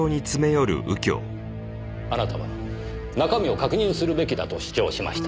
あなたは中身を確認するべきだと主張しました。